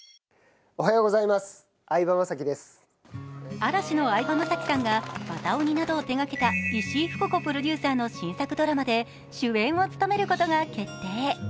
嵐の相葉雅紀さんが「渡鬼」などを手がけた石井ふく子プロデューサーの新作ドラマで主演を務めることが決定。